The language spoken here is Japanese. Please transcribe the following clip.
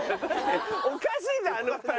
おかしいじゃんあの２人。